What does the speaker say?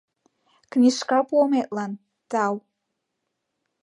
Книжка пуыметлан тау!